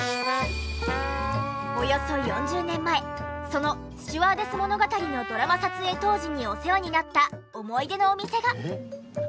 およそ４０年前その『スチュワーデス物語』のドラマ撮影当時にお世話になった思い出のお店が。